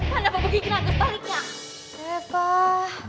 mana pembegitinan kebaliknya